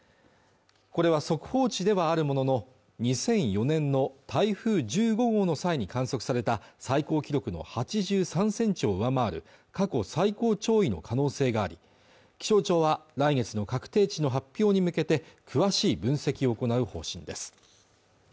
これは速報値ではあるものの２００４年の台風１５号の際に観測された最高記録の８３ｃｍを上回る過去最高潮位の可能性があり気象庁は来月の確定値の発表に向けて詳しい分析を行う方針です